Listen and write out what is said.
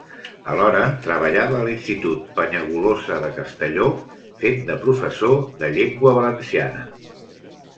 Alhora treballava a l'Institut Penyagolosa de Castelló, fent de professor de Llengua Valenciana.